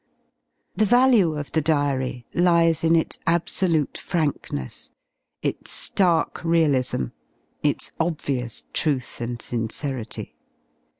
r~" The value of the Diary lies in its absolute frankness, its j Hark rjalism, its obvious truth and sincerity.